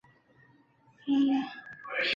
会议中心站位于中山区。